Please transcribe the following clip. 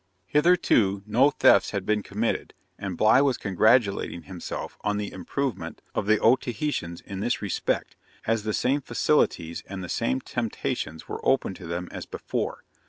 Hitherto no thefts had been committed, and Bligh was congratulating himself on the improvement of the Otaheitans in this respect, as the same facilities and the same temptations were open to them as before.